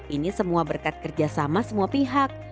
ini semua berkat kerjasama semua pihak